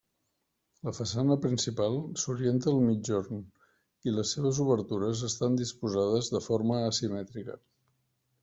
La façana principal s'orienta al migjorn i les seves obertures estan disposades de forma asimètrica.